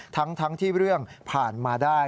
ทั้งที่เรื่องผ่านมาได้